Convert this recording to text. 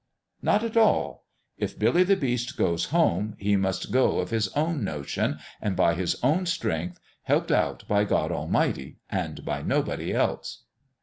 " Not at all ! If Billy the Beast goes home, he must go of his own notion, and by his own strength, helped out by God Almighty, and by nobody else."